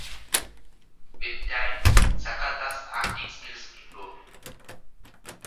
With time, Sakata's acting skills improved.